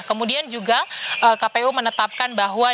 kemudian juga kpu menetapkan bahwa